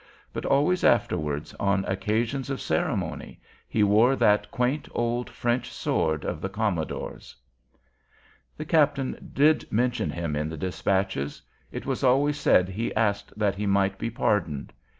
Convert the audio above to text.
But always afterwards on occasions of ceremony, he wore that quaint old French sword of the commodore's. The captain did mention him in the despatches. It was always said he asked that he might be pardoned.